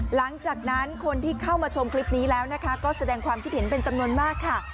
หลังจากนั้นคนที่เข้ามาชมคลิปนี้แล้วนะคะก็แสดงความคิดเห็นเป็นจำนวนมากค่ะ